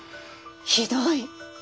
ひどい。